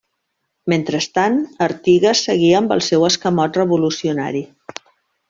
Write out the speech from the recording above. Mentrestant, Artigas seguia amb el seu escamot revolucionari.